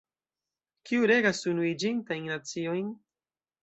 Kiu regas Unuiĝintajn Naciojn?